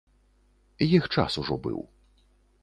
Іх час ужо быў.